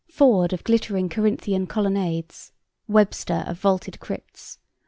. Ford of glittering Corinthian colonnades, Webster of vaulted crypts